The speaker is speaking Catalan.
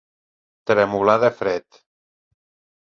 Tremolar de fred.